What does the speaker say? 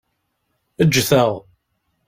Ǧǧet-aɣ.